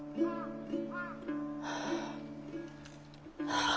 はあ。